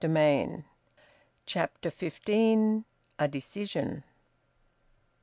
VOLUME ONE, CHAPTER FIFTEEN. A DECISION.